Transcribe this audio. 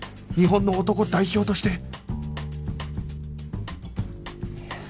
日本の男代表として